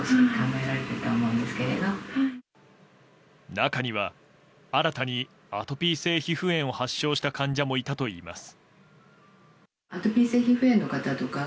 中には新たにアトピー性皮膚炎を発症した患者もいたといいます。